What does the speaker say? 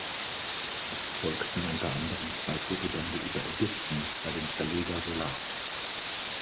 Es folgten unter anderem zwei Fotobände über Ägypten bei dem Verleger "Solar".